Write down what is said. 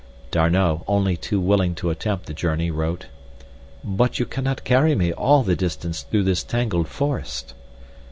D'Arnot, only too willing to attempt the journey, wrote: But you cannot carry me all the distance through this tangled forest.